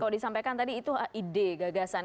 kalau disampaikan tadi itu ide gagasan